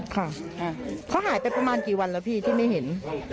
ค่ะเขาหายไปประมาณกี่วันแล้วพี่ที่ไม่เห็น